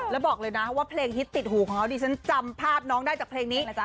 แล้วบอกเลยนะว่าเพลงฮิตติดหูของเขาดิฉันจำภาพน้องได้จากเพลงนี้